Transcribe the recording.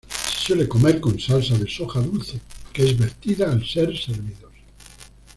Se suele comer con salsa de soja dulce, que es vertida al ser servidos.